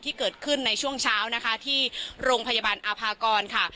ที่เกิดขึ้นในช่วงเช้านะคะที่โรงพยาบาลอาภากรค่ะ